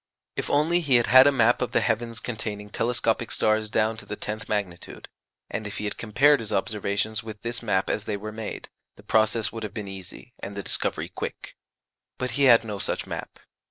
If only he had had a map of the heavens containing telescopic stars down to the tenth magnitude, and if he had compared his observations with this map as they were made, the process would have been easy, and the discovery quick. But he had no such map.